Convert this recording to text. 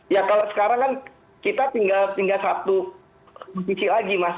ya kalau sekarang kan kita tinggal satu posisi lagi mas